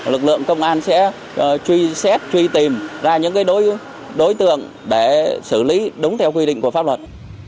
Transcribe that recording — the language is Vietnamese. lực lượng công an sẽ truy xét truy tìm ra những đối tượng để xử lý đúng theo quy định của pháp luật